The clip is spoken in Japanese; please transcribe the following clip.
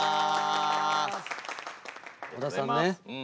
小田さんね